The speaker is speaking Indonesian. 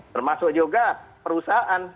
termasuk juga perusahaan